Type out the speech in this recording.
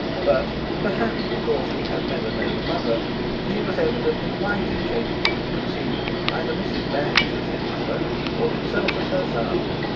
But, perhaps because he had never known a mother, he was evidently quite incapable of conceiving either Mrs. Batch as his mother or himself as her son.